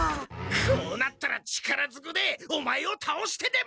こうなったら力ずくでオマエをたおしてでも！